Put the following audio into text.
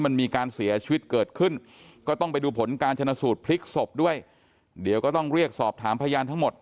มันมีการเสียชีวิตเกิดขึ้นก็ต้องไปดูผลการชนะสูตรพลิกศพด้วยเดี๋ยวก็ต้องเรียกสอบถามพยานทั้งหมด